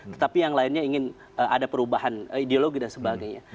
tetapi yang lainnya ingin ada perubahan ideologi dan sebagainya